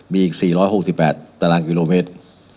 มีอีก๔๖๘ตารางกิโลเมตร